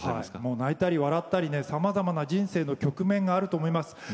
泣いたり、笑ったり頑張ったり人生の局面があると思います。